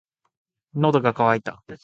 喉が渇いた。